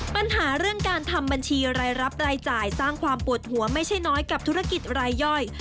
ปัญหาเรื่องการทำบัญชีรายรับรายจ่ายสร้างความปวดหัวไม่ใช่น้อยกับธุรกิจรายย่อย